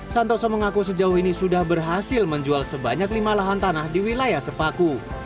santoso mengaku sejauh ini sudah berhasil menjual sebanyak lima lahan tanah di wilayah sepaku